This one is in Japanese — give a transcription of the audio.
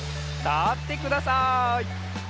たってください。